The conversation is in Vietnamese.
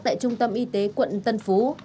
tại trung tâm y tế quận tân phú